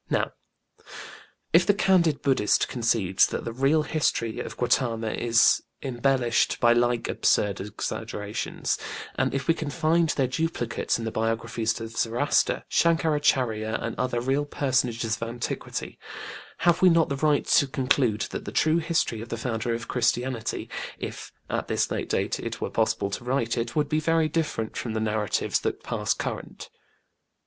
Now, if the candid BudĖĢdĖĢhist concedes that the real history of GautĖĢama is embellished by like absurd exaggerations, and if we can find their duplicates in the biographies of Zoroaster, ShanĖkarÄchÄrya and other real personages of antiquity, have we not the right to conclude that the true history of the Founder of Christianity, if at this late date it were possible to write it, would be very different from the narratives that pass current?